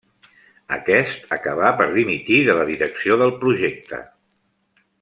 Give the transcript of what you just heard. Aquest acabà per dimitir de la direcció del projecte.